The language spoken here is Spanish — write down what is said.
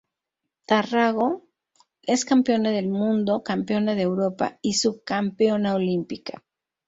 Tarragó es campeona del mundo, campeona de Europa, y subcampeona olímpica.